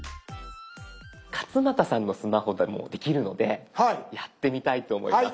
勝俣さんのスマホでもできるのでやってみたいと思います。